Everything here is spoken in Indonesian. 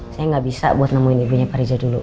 saya nggak bisa buat nemuin ibunya pak riza dulu